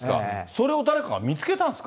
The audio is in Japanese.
それを誰かが見つけたんですか？